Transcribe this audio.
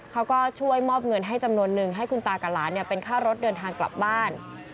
เขาก็ช่วยมอบเงินให้จำนวนนึงให้คุณตากับหลานเป็นค่ารถเดินทางกลับบ้าน